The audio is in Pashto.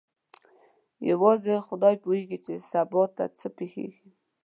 یوازې خدای پوهېږي چې سبا ته څه پېښیږي.